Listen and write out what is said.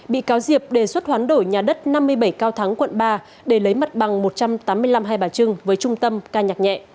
bị cáo diệp đề xuất hoán đổi nhà đất năm mươi bảy cao thắng quận ba để lấy mật bằng một trăm tám mươi năm hai bà trưng với trung tâm ca nhạc nhẹ